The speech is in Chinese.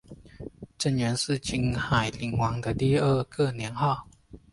贞元是金海陵王的第二个年号。